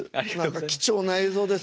貴重な映像です。